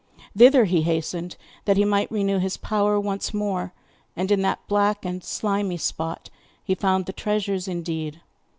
Thither he hastened that he might renew his power once more, and in that black and slimy spot he found the treasures indeed.